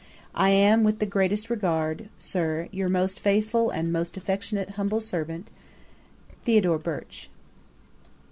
I am, with the greatest regard, 'Sir, 'Your most faithful and 'Most affectionate humble servant, 'THO. BIRCH.'